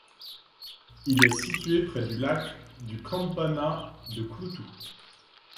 Il est situé près du lac du Campana de Cloutou.